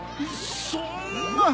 そんな。